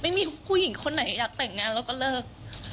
ไม่มีผู้หญิงคนไหนอยากแต่งงานแล้วก็เลิก